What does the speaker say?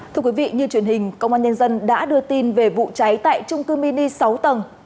thưa quý vị như truyền hình công an nhân dân đã đưa tin về vụ cháy tại trung cư mini sáu tầng